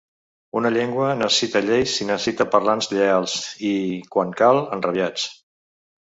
Una llengua necessita lleis i necessita parlants lleials i, quan cal, enrabiats.